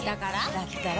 だったら。